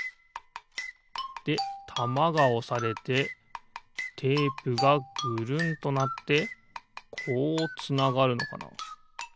でたまがおされてテープがぐるんとなってこうつながるのかな？